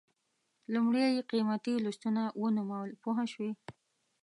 لومړی یې قیمتي لوستونه ونومول پوه شوې!.